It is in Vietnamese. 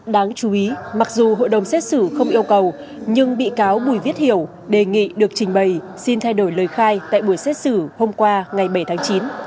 đáng chú ý mặc dù hội đồng xét xử không yêu cầu nhưng bị cáo bùi viết hiểu đề nghị được trình bày xin thay đổi lời khai tại buổi xét xử hôm qua ngày bảy tháng chín